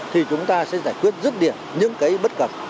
thì chúng ta sẽ giải quyết rất điệt những cái bất cật